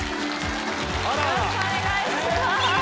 よろしくお願いします！